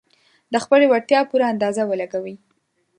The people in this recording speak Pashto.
د خپلې وړتيا پوره اندازه ولګوي.